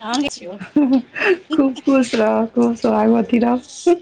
अहाँ के छियौ खूब खुश रह खूब सोहागवती रह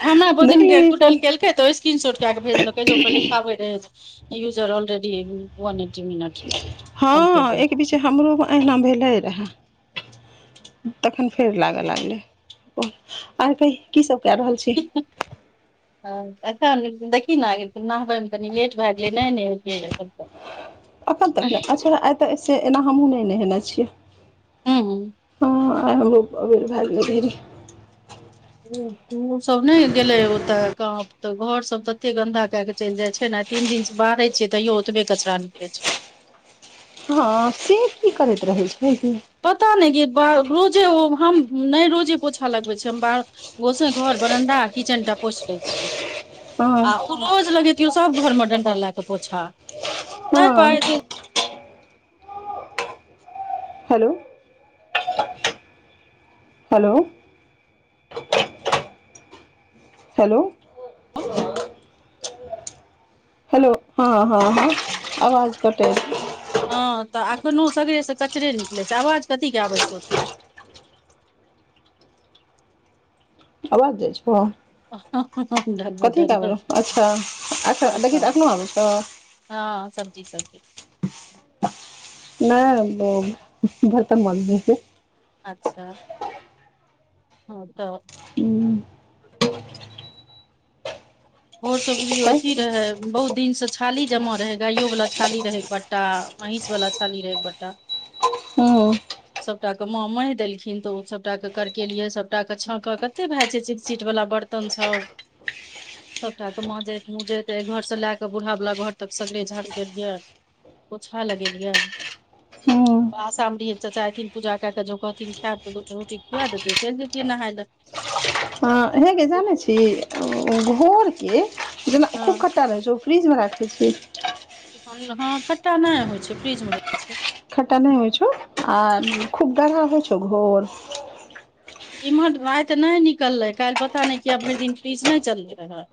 हमरा बोगी मे गुडल कलक‌ए ओ स्क्रीनशट के भेलक जे पर लिखाब [unintelligible] यूजर आ already one eighty minute commit एहिना भेलै रहए तखन फेर लागे लागले आर की सब क रहल छी अच्छा देखी ने नहबेमे कनि लेट भेगेल नहि ने नेह‌एतिय तब तक एखन तक नहि अच्छा [unintelligible] आइ तऽ एना हमहुँ नहि नेहेने छियै हूँ ह आइ हमरो आबेर भ गेल‌ए ओ सब नहि गेलै ओत तऽ गाँव घर सब तते गन्दा केएके चलि जाइ छै आइ तीन दिनसे बाराय छिय तैयो ओतवे कचरा निकल छै हँ से की करैत रहै छै पता नहि कि ब रोजे ओ हम नहि रोजे पोछा लगबै छै हम ब गोसै घर बरांडा किचेन टा पोछल‌ए छिय हँ आ ओ रोज लगेैतियौ सभ घरमे डंडा लए कऽ पोछा ताहि हँ प हेलो हेलो हेलो हेलो हँ हँ हँ आवाज कटे हँ तऽ एखनो सगरे से कचरे निकलैत छै आवाज कथी के आबै छै ओते आवाज जाइ छौ कथी के आबेरहै अच्छा अच्छा देखिये आखनै आबे छ‌उ हँ सब्जी से के नहि ओ बरतन मजद‌ए छीय अच्छा हँ तऽ भैर से बुझयौ छै अथी रहे बहुत दिन से छाली जमा रहै गाइयो वाला छाली रहै एक बट्टा महिष वला छाली रह एक ब्टा ओ सभटाके माँ महि देलखिन तऽ ओ सभटाके करकेेलियै सभटाके छाँकऽ कते भए जा छै चिटचिट वला बर्तन बरतनसब सभटा तऽ माँजैत मूजैत घर से लए क बूढ़ालला घर तक सगरे झाड़ि गेलिये पोछा लगेलियै हँ आशाम र रहे चााहथिन पूजा कए कऽ जँ कहथिन खायए तऽ दूो रोटी खुआ देतै चलि जतियै नहाय लए [inaudible] हे गै जानै छी भोर के जेना खूब हँ कट्टा रहै छै फ्रीजमे राखैत छी हँ खट्टा नहि होइ छै फ्रिजमे रहै छै खट्टा नै होइ छौ आ खूब गढ़गर होइ छौ घोर इम्हर राति नहि निकललै काल्हि पता नहि कि आब भरि दिन फलिस नहि चललै रहै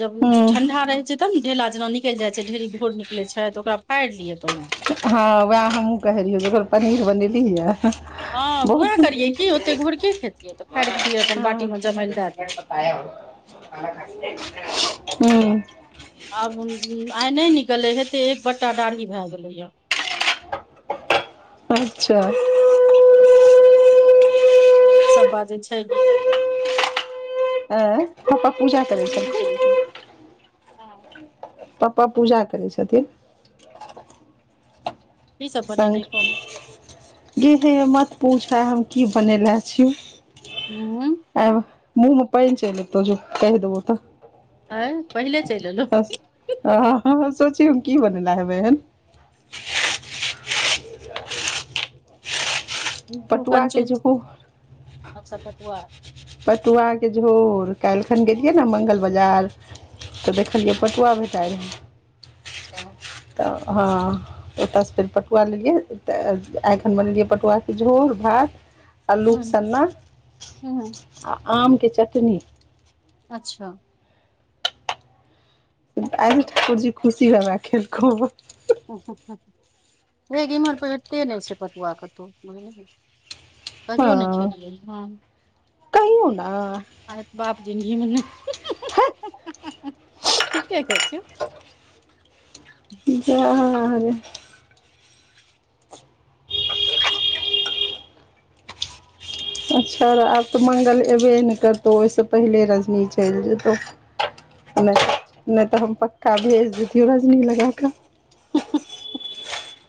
जब हँ ठंडा रह छै तब ने ढेला जेना निकलि जाइ छै ढेरी घोर निकले छै तऽ ओकरा फाड़ि लियै पहिने हँ वएह हमहहुँ कहै रहियै जकर पनीर बनेली हऽ हँ उएह बहुत करियै की ओते घुरके खेतिय त फाड़ि दिय अपन बाटी मे जमाइ ल दए दिय [unintelligible] हूंम्म आब आइ नहि निकललेै हेत्ते एक बट्टा डाढ़ी भए गेले ये अच्छा ई सब बाजै छै की ऐं पप्पा पूजा करै छलखिन [unintelligible] हँ पप्पा पूजा करै छथिन की सभ बनेलियै कह ने [unintelligible] दीदी मत पूछ आइ हम की बनेले छीयौ हूंम्म आब मुँमे पैन चैल एतौ जो कहि दैबौ तऽ आँय पहिले चलि एलहु सोचही [unintelligible] हम की बनेले हेबै एहन कू [unintelligible] पटुआ के कञ्चूस झोर अच्छा पटुआ बटुआके झोर काल्हिखन गेलियै ने मंगल बाजार तऽ देखलियै पटुआ भेटाइ रहय छ [unintelligible] तऽ हँ ओतयसँ फेर पटुआ लेलियै तऽ एखन बनेलियै पटुआके झोर भात आल्लूक सन्ना हूँ आ आमके चटनी अच्छा आइ [unintelligible] ठाकुर जी खुशी हबे खेलकौ अ हेगे इम्हर पेटते नहि छै पटुआ कतौ कहियो नहि हँ खेलियै हँ कहियो नै आय बाप जिनगीमे नै ठीके कहै छियौ जा [unintelligible] त [inaudible] अच्छा रह आब तऽ मंगल एबे नहि करतौ ओहिसँ पहिले रजनी चलि जेतहु आ नहि नहि तऽ हम पक्का भेज दितियौ रजनी लगा कऽ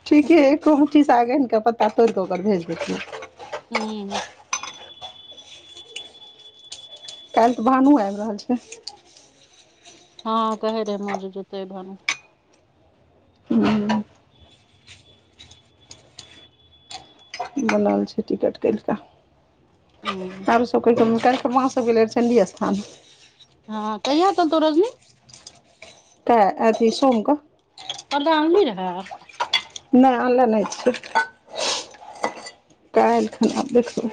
ठीके एको मुट्ठी साग आनिकऽ पत्ता तोड़िकऽ ओकर भेज देतियौ हूंम्म काल्हि तऽ भानू आबि रहल छै हँ कहै रहै माँ जे जेतै आइ भानू हूंम्म बनल छै टिकट काल्हिका हूँ आर सब को [unintelligible] काल्हिखन माँ सब गेलै आर चण्डी स्थान हँ कहिया एतैन तो रजनी कहिया अथी सोम क परदा आनली रहै नै आनले नै छै कालखिन आब देखबै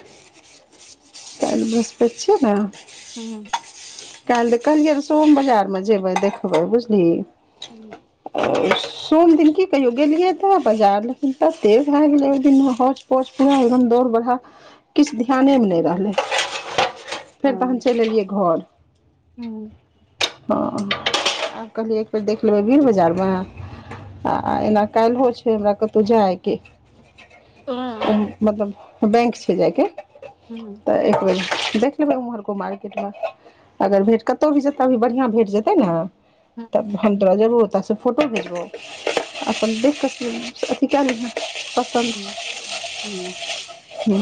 काल्हि बृहस्पति छियै न हूंम्म काल्हि द कहलिये रहै सोम बाजार मे जेबै देखबै बुझली हूंम्म सोम दिन की कहियौ गेलिए बाजार लेकिन तते भए गेले ओइ दिन होंच पोंच पूरा एकदम दौड़ बरहा किछ ध्यान मे नै रहलै फेर तहन चलि एलियै घर हूंम्म हँ आब कहलियै एक बेेर देख लैबे बिग बाजारमे आ एना काल छै हमरा कतो जायके मतलब बैंक छै जायके हू त एक बेर देख लेबै उम्हरको मार्केट मे अगर भेंट कतहु भी जेत त अभी बढ़िया भेट जेतै ने त तोरा जेबो ओते से फोटो भेजबो अपन देख क अथी क लिह हूँ ह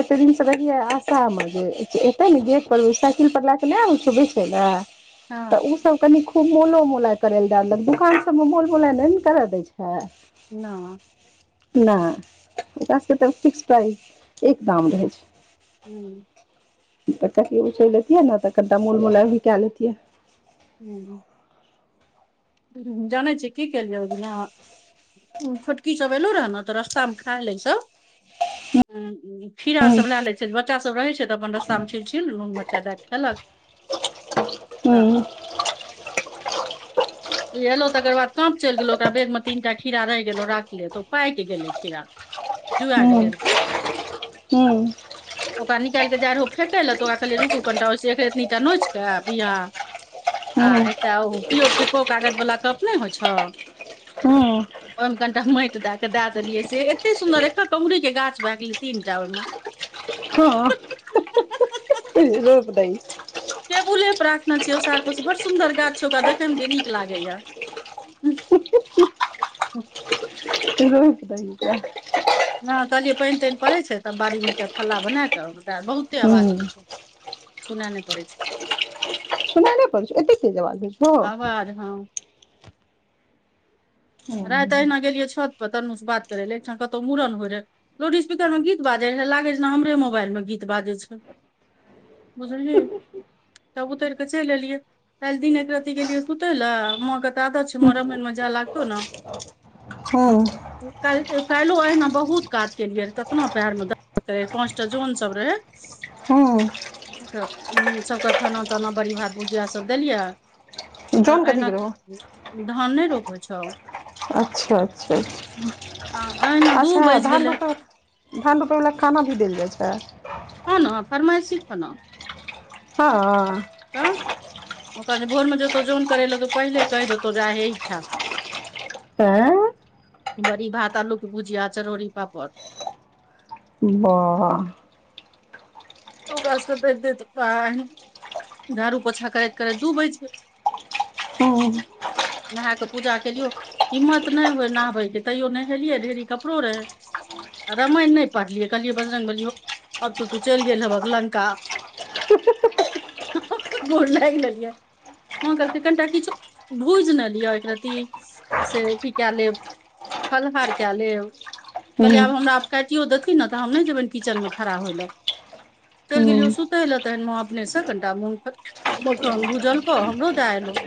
एते दिनसँ ब आशा हमर जे एतै ने गेट पर साइकिल पर लट नहि ओबै छै बेचे ल त हँ ऊ तब कनि खूब मोलो मोलाई करय लए दए देलक दुकान सबमें मोल मोलाय न ने करय दै छै न नहि ओकरा सबके तऽ फिक्स प्राइस एक दाम रहै छै हूँ त क उछल लेतियै ने त कनिटा मोल मलाइ भी क लेतियै हू जाने छिय की कहेलिय ओ दिना ओ छोटकी सब अलो रह न त रास्ता मे खा ल छै खीरा हूँ सब ला लै बच्चा सभ रहै छै त अपन रास्ता मे छील छील नून मरचाई दए खेलक त हूँ इ एलो तकर बाद काँप चल गेलो ओकरा बेर मे तीन टा खीरा रहि गेलो राखले तओ पाक गेलै खीरा जुआ हू गेलै रौ हू ओकरा निकाल क जाइ रहो फेकय लए त ओकरा कहलिय रुँकू एतनिटा ओहिससँ एक रेतीटा नोच क बिया आ हूँ एकटा ओ पिओ फेको कागज बला कप नहि होइ छ हँ ओहिमे कनिटा मइट दए क दए देलियै से एते सुंन्दर एक एक उगरी के गाछ भए गेलै तीन टा ओहिमे हँ फेक दइ टेबुले पर राखने छिओ ओसार बड़ सुंदर गाछ छ ओकरा देखे मे जे नीक लागे या [inaudible] हँ कहलिये पेन तेन पड़ै छै तब बाड़ी मे एकटा थल्ला बना के ओकरा बहुते आवाज हूँ होइ छै सुनै न पड़े छै पड़े छ एतेखिन स अवाज जाए छै आवाज हँ रात अहिना गेलियै छतपर तनू सँ बात करय लए एकठा कतहु मूड़न होइ रहै लोडस्पीकर मे गीत बाजै रहै लागै जना हमरे मोबाइल मे गीत बाजै छै बुझली तब उतर क चल एलियै काल दिनक एकरती गेलिए सुते लए माँ क त आदत छै माँ रामायण में जाय लागतौ ने हं काल्हि काल्हिओ अहिना बहुत काज केलियै केतना पैर में पंचटा जोन सब रह हू हँ तऽ सबके खाना ताना बड़ि भात भुजिया सब देलियै आ जौन कथी एना के रहौ क धान नहि रोपै छौ अच्छा अच्छा आ अहिना दू अच्छा बाजि धान गेलै बटर धान रोपयवला क खाना भी देल जाइ छै हन फरमाइशी खन हँ तऽ ओक जे भोरमे जतौ जन करे ले तो पहिले कहि देतौ जा हे ई खा आँ बड़ी भात आलूके भुजिया चरौरी पापड़ वाह [unintelligible] झाड़ू पोछा करैत करैत दु बैज गेलै हू नहा क पूजा केलियो हिम्मत नहि होए नहबैके तैयो नहेलियै ढेरी कपड़ो रहै रामायण नहि पढ़लियै कहलिय बजरंगबली हो अब तऽ तू चल गेल हेब लंका गोर लागि लेलियै माँ कहलथि कनिटा किछु भूजि ने लिअ एक रति से अथी कए लेब फलहार कए लेब कहलियै हूँ आब हमरा आब काटियो देथिन ने तऽ हम नहि जेबैनि किचनमे खड़ा होय लए चलि गेलियो हूँ सुतय लए तहन माँ अपनेसँ कनिटा मखान भूजलकौ हमरो दए एलहु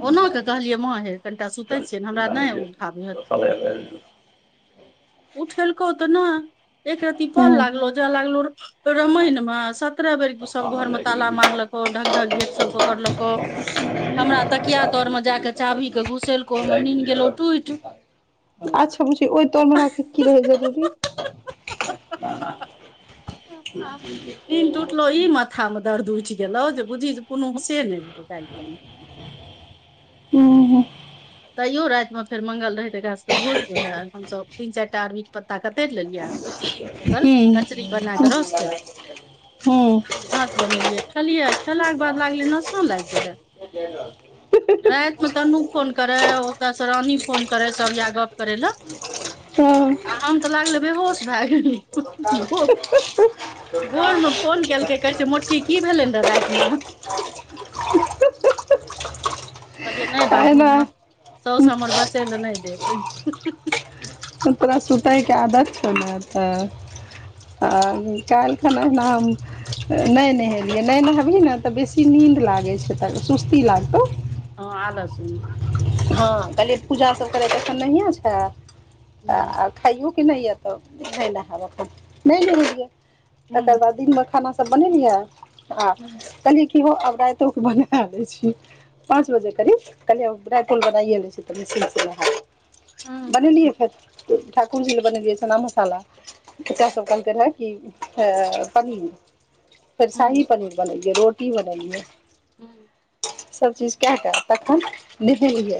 [unintelligible] ओना कऽ कहलियै माँ हे कनिटा सुतै छियैनि हमरा नहि उठाबि हत उठेलकौ तऽ नहि एक रति कल हूँ लागलो ज‌ए लागलो र रामायण मे सत्रह बेर सब घर मे ताला मारलको ढक ढक गेट सब क कड़लको हमरा तकिया तर मे जाक चाभी के घुसेलको हमर नीन गेलो टूटि अच्छा बुझी ओहि तलमे राखे क की रहै जरूरी नीन टुटलो ई मत माथा मे दर्द उठि गेलौ जे बुझी कोनो होसे नहि रहै काल्हि खना हं हं तैयो रातिमे फेर मंगल रहै तऽ एकरा सभके भोज रहै हमसभ तीन चारि टा आरबीके पत्ता कतरि लेलियै ओकर हूँ कचरी बना कऽ रस देलियै हँ भात बनेलियै खेलियै खेलाके बाद लागलै नशा लागि गेलै [unintelligible] रातिमे तनू फोन करे ओतसँ रानी फोन करे सब या गप करै लए हँ हम तऽ लागले बेहोश भए गेलै भोरम फोन केलकै कहै छै मोटकी की भेलै र रातिमे कहलियै नहि बाजी एना ने सौस हमर बचै लए नहि देत तोरा सुतैके आदत छौ ने तऽ आ काल्हि खन ओहिना हम नहि नहेलियै नहि नहबही ने तऽ बेसी नीन्द लागै छै तऽ सुस्ती लागतौ हँ आलस मे हँ कहलिए पूजा सब करैके अखन नहिए छै तऽ खाइयो कि नहि य तऽ नहि नहायब अपन नहि नहेलियै तकर हूँ बाद दिनमे खाना सब बनेलियै आ हूँ कहलियै कि हो आब रातियो के बने दै छीयै पांच बजे करीब कहलियै फुल बनाइये लै चीयै तऽ स बनेलियै हूँ फेर ठाकुर जी ले बनेलियै चनाा मसाला बच्चा सब कहलकै राखि क अ पनीर फेर हूं शाही पनीर बनेलियै रोटी बनेलियै हू सब चीज कए क तखन नहेलियै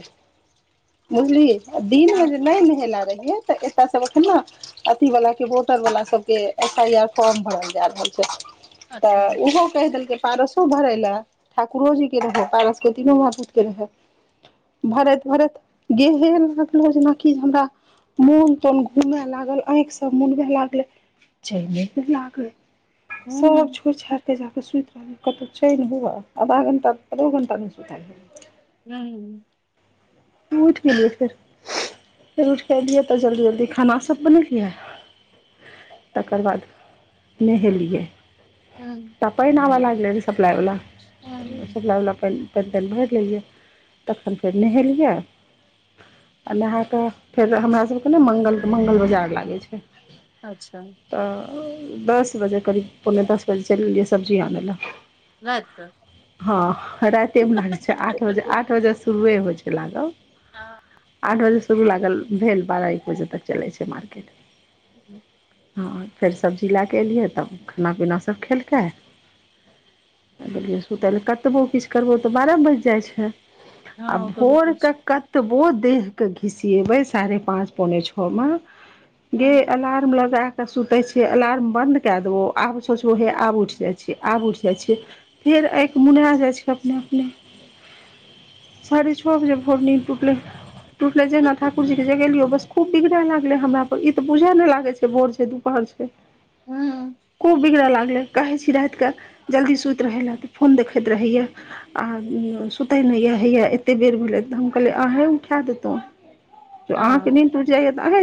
बुझलि दिनमे जे नहि नहेला रहियै तऽ एतय सभ एखन न अथी वाला सबके वोटर वाला सबके एफ आई आर फॉर्म भरल जा रहल छै अच्छा तऽ ओहो कहि देलकै पारसो भरैले ठाकुरो जी के रहे पारस के तिनो माई पुत के रहे भरत भरत गेहे ललो जेनाकि हमरा मोन तोन घुमए लागल अइख सब मुनबे लागले चाइये पर लागल हूं हूं सब छोड़ि छाड़ि कते जाकऽ सुति रहल कतहुँ छै नहि हुअए आधा घटा आधो घंटा नहि सुति हूं उठ मिलियै फर फेर उठि कऽ एलियै तऽ जल्दी जल्दी खाना सब बनेलियै तकर बाद नहेलियै त पइन आव लागलै ने सप्लाइवला हूं सप्लाइ बला प इन पइन तइन भरि लेलियै तखन फेर नहेलियै आ नहा कऽ फेर हमरासभके ने मङ्गलके मङ्गल बाजार लागै छै अच्छा तऽ दस बजे करीब पौने दस बजे चलि गेलियै सब्जी आनअ लए [unintelligible] हँ राइत मे लागै छै आठ बजे आठ बजेसँ शुरुए होइ छै लागल हँ आठ बजे शुरू लागल भेल बारह एक बजे तक चलै छै मार्केट हू हँ फेर सब्जी लैके अलियै तऽ खाना पीना सब खेलकै कहलियै सुतय लए कतबो किछु करबौ तऽ बारह बाजि जाइ छै आ हँ ओ तऽ होइत भोरक अछि कतबो देहके घिसियेबै साढ़े पाँच पौने छओमे जे अलार्म लगा तऽ सुतै छिये अलार्म बन्द कएै देबौ आब सोचबौ हे आब उठि जाइ छि आब उठि जाइ छिैयै फेर अइख मुना जाई छै अपने अपने साढ़े छओ बजे भोर नी टूटलै टूटलै जहिना ठाकुर जी के जगेलियो बस खूब बिगड़ै लागलै हमरा पर ई तऽ बुझए नहि लागै छै भोर छै दुपहर छै हूं हूं खूब बिगड़ लागलै कहै छी रातिके जल्दी सुति रहै लए तऽ फोन देखैत रहैया आ सुतै नहिया हैया एतेक बेर भेलै अहीं उठा दितौं अहाँके हँ निन्न टुटि जाइये तँ आंह